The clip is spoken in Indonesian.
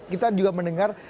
kita juga mendengar